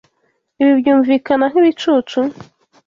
Ibi byumvikana nkibicucu?